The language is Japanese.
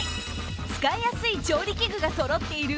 使いやすい調理器具がそろっている